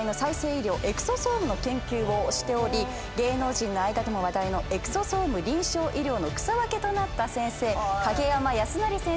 医療エクソソームの研究をしており芸能人の間でも話題のエクソソーム臨床医療の草分けとなった先生山泰成先生です。